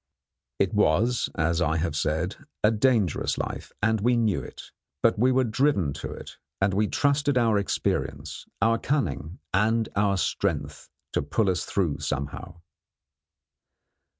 It was, as I have said, a dangerous life, and we knew it; but we were driven to it, and we trusted to our experience, our cunning, and our strength, to pull us through somehow.